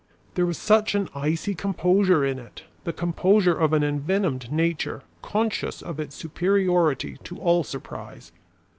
There was such an icy composure in it; the composure of an envenomed nature conscious of its superiority to all surprise.